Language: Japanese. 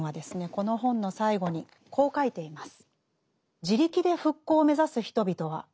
この本の最後にこう書いています。